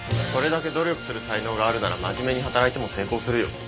それだけ努力する才能があるなら真面目に働いても成功するよ。